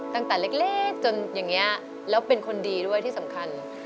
ตั้งแต่เล็กจนอย่างนี้แล้วเป็นคนดีด้วยที่สำคัญ